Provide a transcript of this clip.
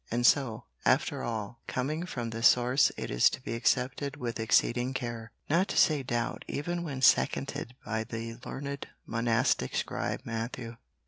And so, after all, coming from this source it is to be accepted with exceeding care not to say doubt, even when seconded by the learned monastic scribe Matthew.